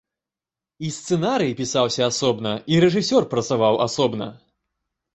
І сцэнарый пісаўся асобна, і рэжысёр працаваў асобна.